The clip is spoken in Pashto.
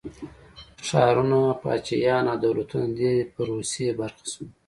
ښارونه، پاچاهيان او دولتونه د دې پروسې برخه شول.